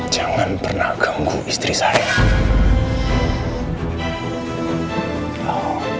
jangan pernah ganggu istri saya